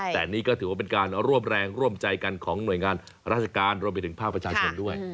แต่นี่ก็ถือว่าเป็นการร่วมแรงร่วมใจกันของหน่วยงานราชการรวมไปถึงภาคประชาชนด้วย